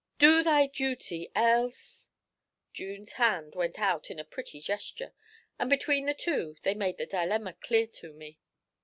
Do thy duty, else ' June's hand went out in a pretty gesture, and between the two they made the 'dilemma' clear to me.